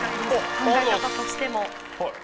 考え方としても。